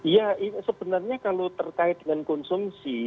ya sebenarnya kalau terkait dengan konsumsi